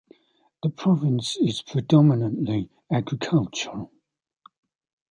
The province is predominantly agricultural.